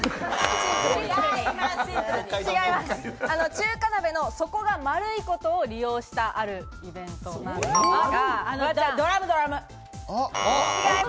中華鍋の底が丸いことを利用したあるイベントなんですが。